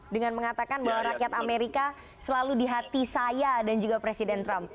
dengan mengatakan bahwa rakyat amerika selalu di hati saya dan juga presiden trump